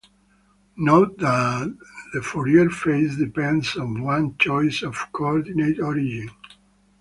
Note that the Fourier phase depends on one's choice of coordinate origin.